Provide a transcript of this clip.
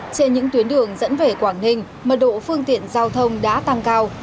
trên những tuyến đường dẫn về quảng ninh mật độ phương tiện giao thông đã tăng cao